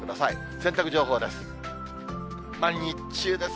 洗濯情報です。